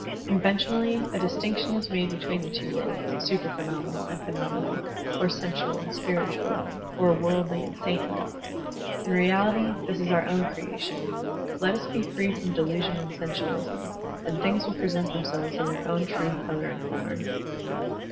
Conventionally, a distinction is made between the two worlds, supra phenomenal and phenom enal, or sensual and spiritual, or worldly and Digitized by Google THE SUPRA PHENOMENAL II9 saintly; in reality this is our own creation. Let us be free from delusion and sensualism, and things will present themselves in their own true color and form.